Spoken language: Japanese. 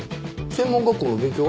専門学校の勉強は？